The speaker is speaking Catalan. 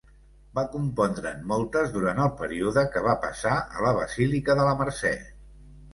Va compondre'n moltes durant el període que va passar a La Basílica de la Mercè.